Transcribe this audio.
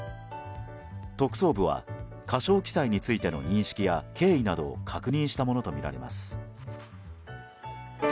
特捜部は過少記載についての認識や経緯などを確認したものとみられます。